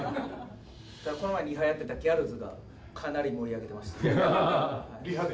この間、リハやってたギャルズがすごい盛り上げてました。